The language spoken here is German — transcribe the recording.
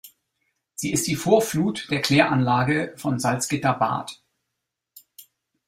Sie ist die Vorflut der Kläranlage von Salzgitter-Bad.